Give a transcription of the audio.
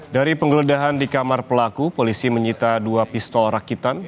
dari penggeledahan di kamar pelaku polisi menyita dua pistol rakitan